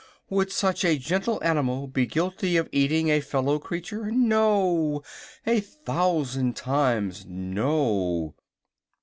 "Would such a gentle animal be guilty of eating a fellow creature? No; a thousand times, no!"